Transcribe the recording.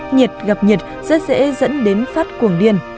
nhiệt gặp nhiệt rất dễ dẫn đến phát cuồng điên